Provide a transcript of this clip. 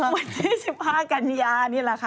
วันที่๑๕กันยานี่แหละค่ะ